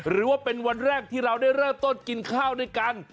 หรือว่าเป็นวันแรกที่เราได้เริ่มต้นกินข้าวด้วยกัน